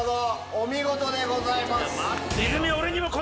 お見事でございます！